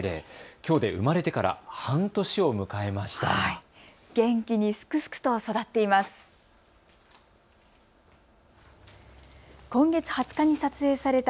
きょうで生まれてから半年を迎えました。